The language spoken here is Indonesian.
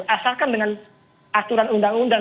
asalkan dengan aturan undang undang